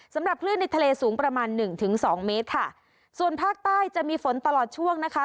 สำหรับคลื่นในทะเลสูงประมาณหนึ่งถึงสองเมตรค่ะส่วนภาคใต้จะมีฝนตลอดช่วงนะคะ